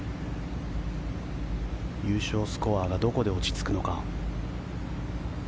優勝スコアがどこで落ち着くのか。